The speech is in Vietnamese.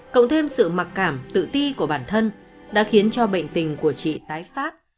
cộng thêm sự mặc cảm tự ti của bản thân đã khiến cho bệnh tình của chị tái phát